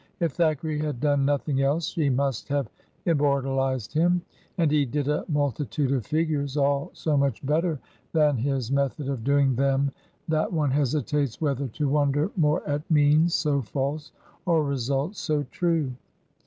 If Thackeray had done nothing else, she must have immortalized him; and he did a multitude of figures, all so much better than his method of doing them that one hesitates whether to wonder more at means so false or results so true.